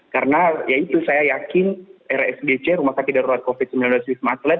karena yaitu saya yakin rsbc rumah sakit darurat covid sembilan belas di sumatera